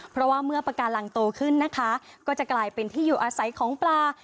เพราะว่าเมื่อปากการังโตขึ้นนะคะก็จะกลายเป็นที่อยู่อาศัยของปลา